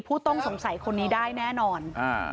ผู้ต้องสงสัยคนนี้ได้แน่นอน